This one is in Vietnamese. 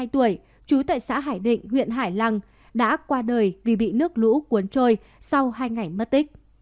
hai mươi tuổi trú tại xã hải định huyện hải lăng đã qua đời vì bị nước lũ cuốn trôi sau hai ngày mất tích